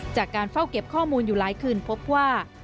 จากการเฝ้าเก็บข้อมูลอยู่หลายคืนพบว่า